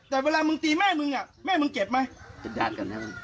แต่เวลามึงตีแม่มึงอ่ะแม่มึงเจ็บไหมจัดจัดกันให้มัน